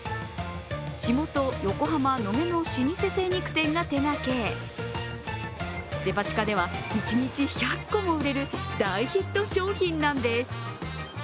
地元、横浜・野毛の老舗精肉店が手がけ、デパ地下では一日１００個も売れる大ヒット商品なんです。